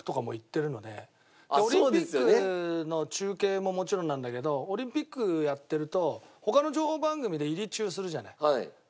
オリンピックの中継ももちろんなんだけどオリンピックやってると他の情報番組で入中するじゃない。